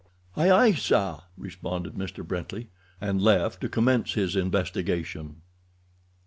"Aye, aye, sir!" responded Mr. Brently, and left to commence his investigation.